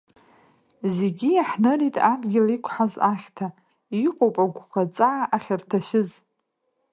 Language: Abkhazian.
Зегьы иаҳнырит адгьыл иқәҳаз ахьҭа, иҟоуп агәқәа аҵаа ахьырҭашәыз.